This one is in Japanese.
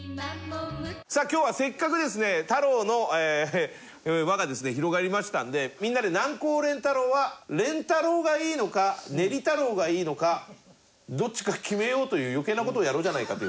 さあ今日はせっかくですね「太郎」の輪が広がりましたんでみんなでなんこう練太郎は「れんたろう」がいいのか「ねりたろう」がいいのかどっちか決めようという余計な事をやろうじゃないかと。